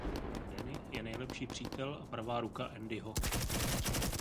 Danny je nejlepší přítel a pravá ruka Andyho.